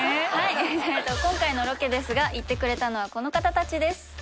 今回のロケですが行ってくれたのはこの方たちです。